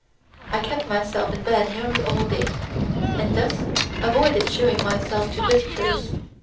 I kept myself in bed nearly all day, and thus avoided shewing myself to visitors.